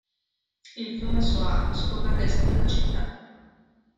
Il fiume Soar scorre ad est della città.